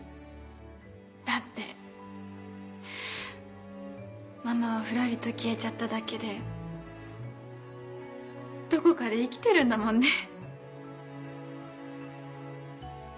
だってママはふらりと消えちゃっただけでどこかで生きてるんだもんね。